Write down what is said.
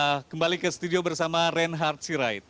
dan kita kembali ke studio bersama reinhard sirait